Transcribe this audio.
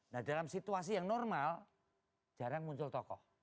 nah dalam situasi yang normal jarang muncul tokoh